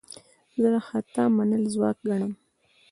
زه د خطا منل ځواک ګڼم.